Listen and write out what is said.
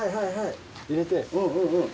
入れて。